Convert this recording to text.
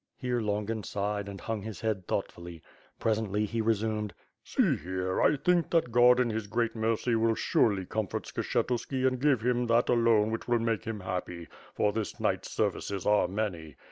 Here, Longin sighed and hung his head thoughtfully. Presently, he resumed: "See here, I think that God in His great mercy will surely comfort Skshetuski and give him that alone which will make him happy; for this knight's services are many.